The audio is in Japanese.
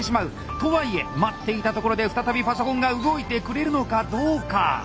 とはいえ待っていたところで再びパソコンが動いてくれるのかどうか。